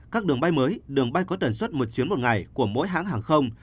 các đường bay mới đường bay có tuần suốt một chiến một ngày của mỗi hãng hàng không